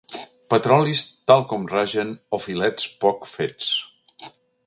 Petrolis tal com ragen o filets poc fets.